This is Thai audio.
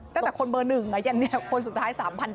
ตั้งแต่คนเบอร์หนึ่งคนสุดท้าย๓๗๑๑